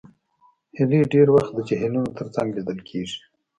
هیلۍ ډېر وخت د جهیلونو تر څنګ لیدل کېږي